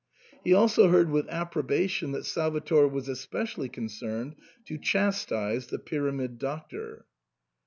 He also heard with approbation that Salvator was especially concerned to chastise the Pyramid Doctor.